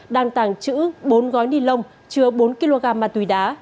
đang tàng chữ bốn gói nilon chứa bốn kg ma túy đá